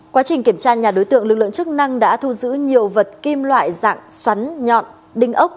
quá trình kiểm tra nhà đối tượng lực lượng chức năng đã thu giữ nhiều vật kim loại dạng xoắn nhọn đinh ốc